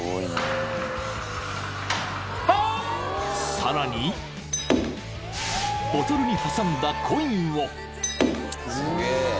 ［さらにボトルに挟んだコインを］